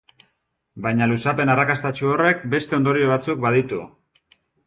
Baina luzapen arrakastatsu horrek beste ondorio batzuk baditu.